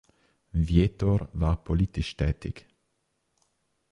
Vietor war politisch tätig.